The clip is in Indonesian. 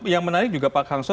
yang menarik juga pak kamso